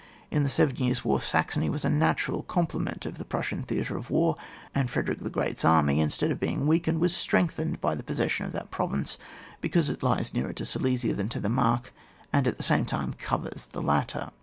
In the Sevea Years' War, Saxony was a natural complement of the Prussian theatre of war, and Fred erick the Great's army, instead of being weakened, was strengthened by the pos session of that province, because it lies nearer to Silesia than to tlie Mark| and at the same time covers the latter.